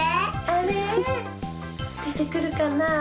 あれ？でてくるかな？